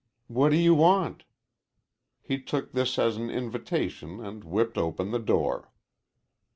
"What do you want?" He took this as an invitation and whipped open the door.